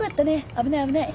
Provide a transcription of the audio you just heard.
危ない危ない。